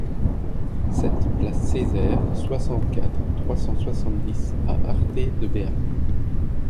sept place Cezaire, soixante-quatre, trois cent soixante-dix à Arthez-de-Béarn